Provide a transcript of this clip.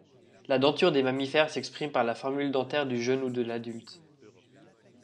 La denture des mammifères s'exprime par la formule dentaire du jeune ou de l'adulte.